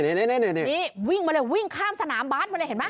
นี่วิ่งมาเลยวิ่งข้ามสนามบาสมาเลยเห็นไหม